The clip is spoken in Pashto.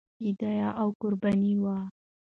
فدیه او قرباني وه.